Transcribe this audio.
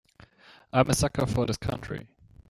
I'm a sucker for this country.